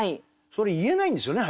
それ言えないんですよね